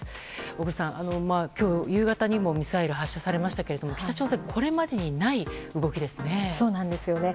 小栗さん、今日夕方にもミサイル発射されましたけども北朝鮮はこれまでにない動きですよね。